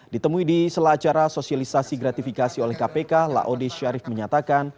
ditemui di selacara sosialisasi gratifikasi oleh kpk laode syarif menyatakan